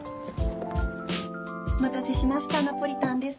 お待たせしましたナポリタンです。